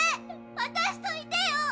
私といてよ。